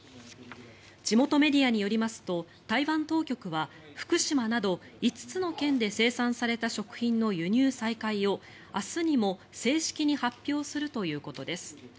地元メディアによりますと台湾当局は福島など５つの県で生産された食品の輸入再開を明日にも正式に発表するということです。